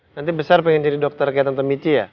nanti besar pengen jadi dokter kayak tante michi ya